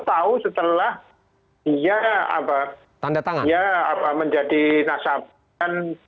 tahu setelah dia menjadi nasabah